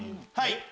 はい！